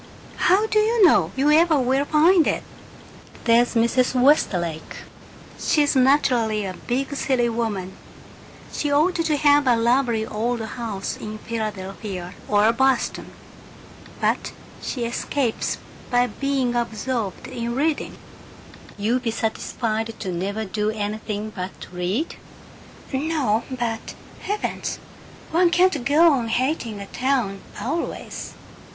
"How do you know you ever will find it?" "There's Mrs. Westlake. She's naturally a big city woman she ought to have a lovely old house in Philadelphia or Boston but she escapes by being absorbed in reading." "You be satisfied to never do anything but read?" "No, but Heavens, one can't go on hating a town always!"